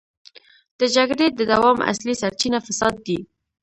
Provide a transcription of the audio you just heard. د جګړې د دوام اصلي سرچينه فساد دی.